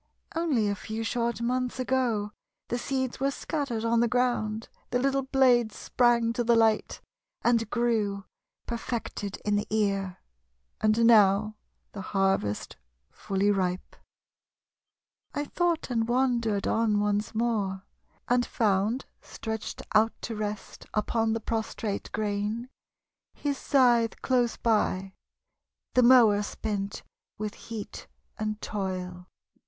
Only a few short months ago The seeds were scattered on the ground; The little blades sprang to the light And grew, perfected in the ear; And now the harvest fully ripe! :M) in harvest time. I tho't and wandered on once more, And found stretched out to rest Upon the prostrate grain, his scythe close by, The mower spent with heat and toil.